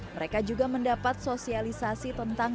mereka juga mendapat sosialisasi tentang